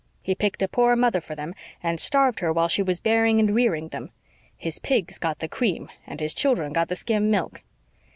He picked a poor mother for them, and starved her while she was bearing and rearing them. His pigs got the cream and his children got the skim milk.